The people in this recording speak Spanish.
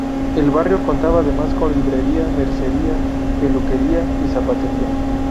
El barrio contaba además con librería, mercería, peluquería y zapatería.